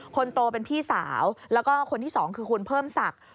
คนโตเป็นพี่สาวแล้วก็คนที่สองคือคุณเพิ่มศักดิ์